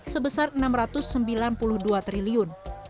sebesar rp enam ratus sembilan puluh dua triliun